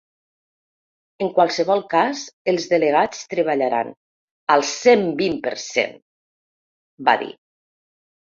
En qualsevol cas els delegats treballaran al cent vint per cent, va dir.